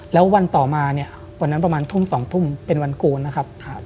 แล้ววันต่อมาวันนั้นในธุมสองธุมเป็นวันก้นนะครับ